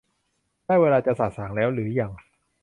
ได้เวลาที่จะสะสางแล้วหรือยัง ?